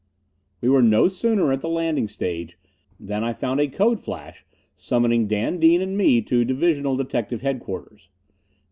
We were no sooner at the landing stage than I found a code flash summoning Dan Dean and me to Divisional Detective Headquarters.